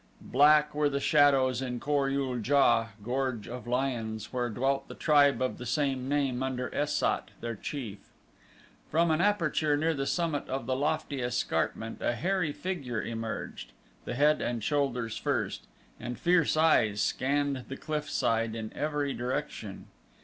Black were the shadows in Kor ul JA, Gorge of lions, where dwelt the tribe of the same name under Es sat, their chief. From an aperture near the summit of the lofty escarpment a hairy figure emerged the head and shoulders first and fierce eyes scanned the cliff side in every direction.